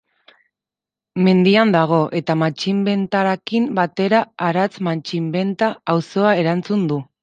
Mendian dago, eta Matxinbentarekin batera Aratz-Matxinbenta auzoa eratzen du.